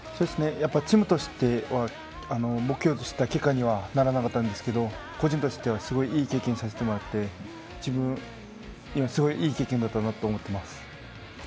チームとしては目標としていた結果にはならなかったんですけど個人としてはすごくいい経験をさせてもらってすごい、いい経験になったなと思っています。